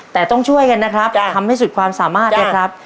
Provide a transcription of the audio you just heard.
แต่ต้องช่วยกันนะครับทำให้สุดความสามารถนะครับ